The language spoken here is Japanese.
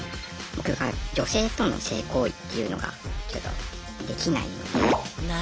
僕が女性との性行為っていうのがちょっとできないので。